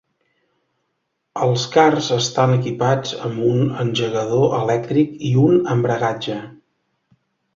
Els karts estan equipats amb un engegador elèctric i un embragatge.